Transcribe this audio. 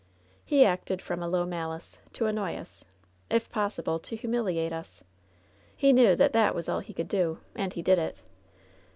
"He acted from a low malice, to annoy us; if pos sible, to himiiliate us. He knew that that was all he could do, and he did it.